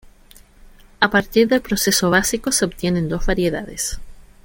A partir del proceso básico se obtienen dos variedades.